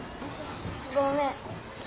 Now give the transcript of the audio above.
ごめん。